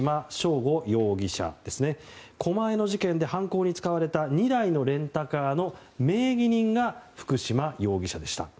狛江の事件で犯行に使われた２台のレンタカーの名義人が福島容疑者でした。